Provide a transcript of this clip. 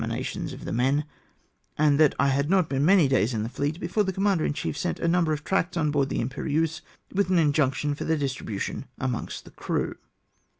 361 nations of the men, and that I had not been many days in the fleet before the commander in chief sent a number of tracts on board the Imperieuse, with an injunction for their distribution amongst the crew.